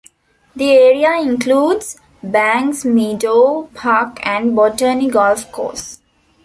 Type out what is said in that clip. The area includes Banksmeadow Park and Botany Golf Course.